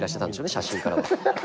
写真からは。